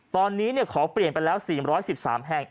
ตอนนี้ขอเปลี่ยนไปแล้ว๔๑๓แห่ง